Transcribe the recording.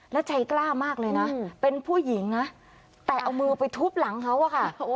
แล้วใจกล้ามากเลยนะเป็นผู้หญิงนะแต่เอามือไปทุบหลังเขาอะค่ะ